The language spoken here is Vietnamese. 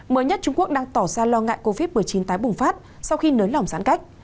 mới nhất trung quốc đang tỏ ra lo ngại covid một mươi chín tái bùng phát sau khi nới lỏng giãn cách